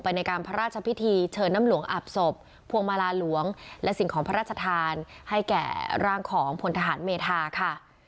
ในการพระราชพิธีเชิญน้ำหลวงอาบศพพวงมาลาหลวงและสิ่งของพระราชทานให้แก่ร่างของพลทหารเมธาค่ะ